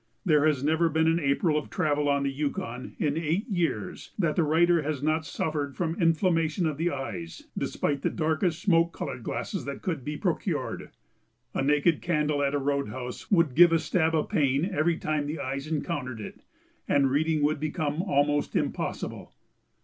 There has never been an April of travel on the Yukon in eight years that the writer has not suffered from inflammation of the eyes despite the darkest smoke colored glasses that could be procured. A naked candle at a road house would give a stab of pain every time the eyes encountered it, and reading would become almost impossible.